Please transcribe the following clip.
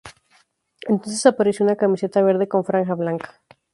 Entonces, apareció una camiseta verde con franja blanca.